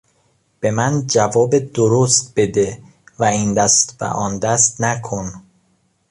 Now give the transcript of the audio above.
به من جواب درست بده و این دست و آن دست نکن.